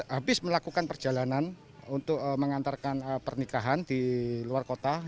habis melakukan perjalanan untuk mengantarkan pernikahan di luar kota